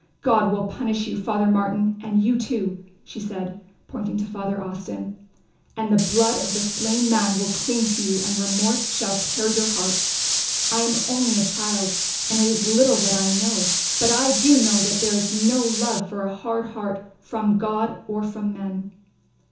God will punish you, Father Martin, and you, too," she said, pointing to Father Austin, "and the blood of the slain man will cling to you and remorse shall tear your hearts. I am only a child and it is little that I know, but I do know that there is no love for a hard heart from God or from men.